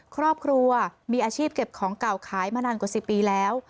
ครอบครัวมีอาชีพเก็บของเก่าขายมานานกว่า๑๐ปีแล้ว